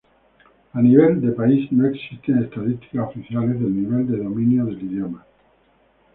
A nivel país no existen estadísticas oficiales del nivel de dominio del idioma.